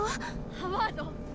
ハワード！